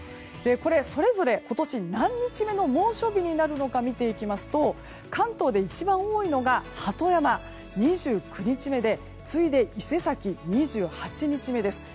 それぞれ、今年何日目の猛暑日になるのか見ていきますと関東で一番多いのが鳩山２９日目で次いで伊勢崎、２８日目です。